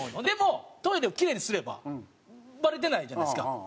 でもトイレをキレイにすればバレてないじゃないですか。